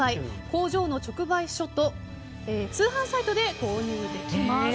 工場の直売所と通販サイトで購入できます。